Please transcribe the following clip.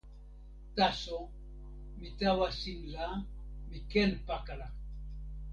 taso, mi tawa sin la, mi ken pakala!